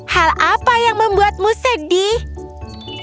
hal apa yang membuatmu sedih